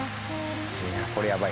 いやこれやばいですね。